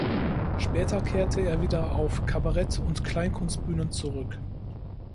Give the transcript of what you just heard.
Später kehrte er wieder auf Kabarett- und Kleinkunstbühnen zurück.